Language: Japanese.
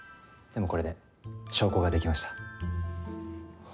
でもこれで証拠ができました。